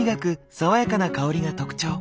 爽やかな香りが特徴。